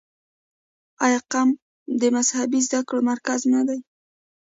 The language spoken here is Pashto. آیا قم د مذهبي زده کړو مرکز نه دی؟